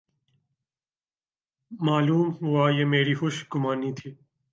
معلوم ہوا یہ میری خوش گمانی تھی۔